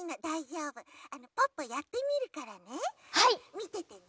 みててね。